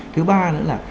thứ ba nữa là